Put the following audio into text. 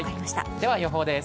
では予報です。